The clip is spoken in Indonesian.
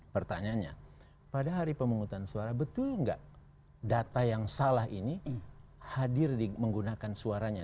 pertanyaannya pada hari pemungutan suara betul nggak data yang salah ini hadir menggunakan suaranya